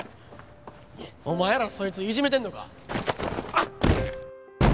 お前らそいついじめてんのか？